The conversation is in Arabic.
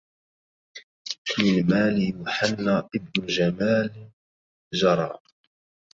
من مال يوحنا ابن جمال جرى